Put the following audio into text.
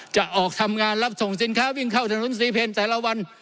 จะออกทำงานรับส่งสินค้าวิ่งเข้าถนนซีเพลแต่ละวัน